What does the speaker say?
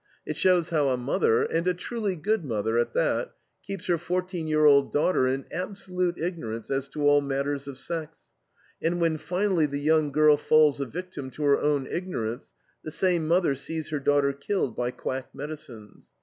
It shows how a mother and a truly good mother, at that keeps her fourteen year old daughter in absolute ignorance as to all matters of sex, and when finally the young girl falls a victim to her own ignorance, the same mother sees her daughter killed by quack medicines.